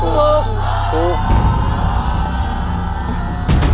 ถูก